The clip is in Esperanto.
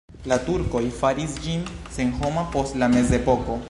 La turkoj faris ĝin senhoma post la mezepoko.